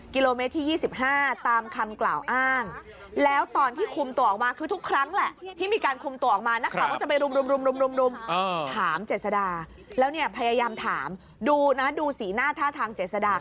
กิโลเมตรที่๒๕ตามคำกล่าวอ้าง